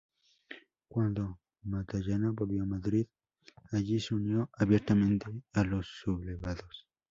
Cuando Matallana volvió a Madrid, allí se unió abiertamente a los sublevados.